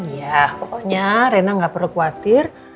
ya pokoknya rena nggak perlu khawatir